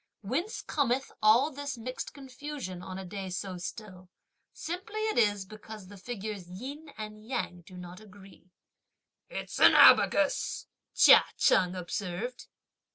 Whence cometh all this mixed confusion on a day so still? Simply it is because the figures Yin and Yang do not agree. "It's an abacus," Chia Cheng observed.